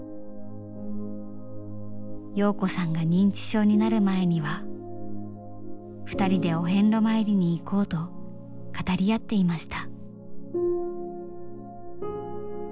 洋子さんが認知症になる前には２人でお遍路参りに行こうと語り合っていました。